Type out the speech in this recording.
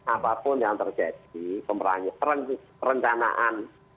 apapun yang terjadi perencanaan